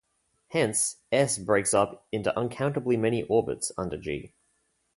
Hence "S" breaks up into uncountably many orbits under "G".